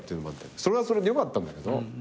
それはそれでよかったんだけど。